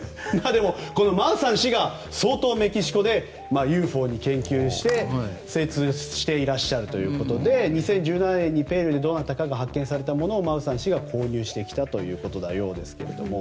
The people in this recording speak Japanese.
マウサン氏が相当メキシコでＵＦＯの研究で精通していらっしゃるということで２０１７年にペルーでどなたかが発見されたものをマウサン氏が購入してきたということですけれども。